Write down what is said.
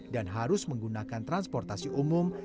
dan harus menggunakan transportasi umum